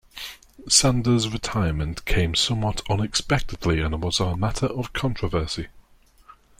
Sanders' retirement came somewhat unexpectedly and was a matter of controversy.